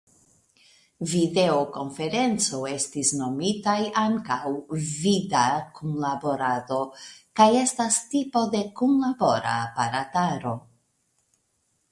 Videokonferenco estis nomitaj ankaŭ "vida kunlaborado" kaj estas tipo de kunlabora aparataro.